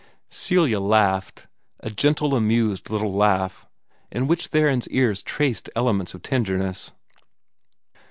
Celia laughed a gentle, amused little laugh, in which Theron's ears traced elements of tenderness.